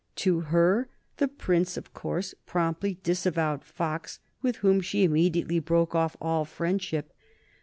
To her the Prince of course promptly disavowed Fox, with whom she immediately broke off all friendship.